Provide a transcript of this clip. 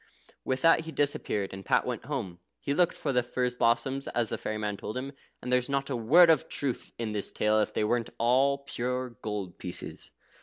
With which he disappeared, and Pat went home. He looked for the furze blossoms, as the fairy man told him, and there's not a word of truth in this tale if they weren't all pure gold pieces.